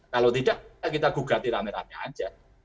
kalau tidak kita gugati rame rame aja